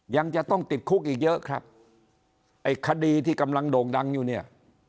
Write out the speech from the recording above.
ยังจะต้องติดคุกอีกเยอะครับไอ้คดีที่กำลังโด่งดังอยู่เนี่ย